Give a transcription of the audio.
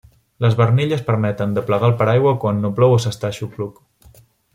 Les barnilles permeten de plegar el paraigua quan no plou o s'està a aixopluc.